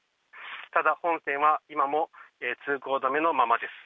ただ本線は今も通行止めのままです。